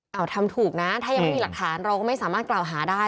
เอาทำถูกนะถ้ายังไม่มีหลักฐานเราก็ไม่สามารถกล่าวหาได้